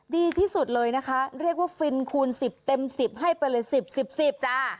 ดีที่สุดเลยนะคะเรียกว่าฟินคูณ๑๐เต็ม๑๐ให้ไปเลย๑๐๑๐๑๐จ้า